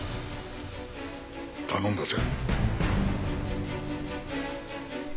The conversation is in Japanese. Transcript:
頼んだぜ。